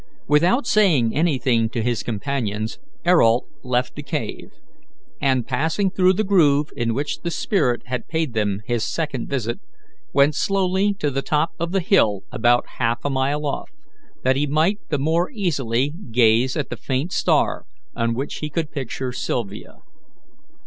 Without saying anything to his companions, Ayrault left the cave, and, passing through the grove in which the spirit had paid them his second visit, went slowly to the top of the hill about half a mile off, that he might the more easily gaze at the faint star on which he could picture Sylvia.